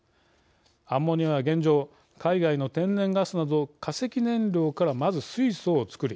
アンモニアは現状、海外の天然ガスなど化石燃料からまず、水素を作り